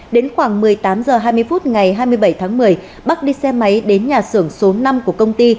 đến khoảng một mươi tám h hai mươi phút ngày hai mươi bảy tháng một mươi bắc đi xe máy đến nhà xưởng số năm của công ty